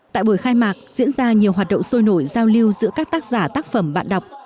tại buổi khai mạc diễn ra nhiều hoạt động sôi nổi giao lưu giữa các tác giả tác phẩm bạn đọc